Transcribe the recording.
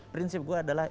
prinsip gue adalah